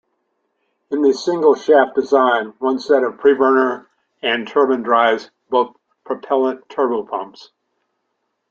In the single-shaft design, one set of preburner and turbine drives both propellant turbopumps.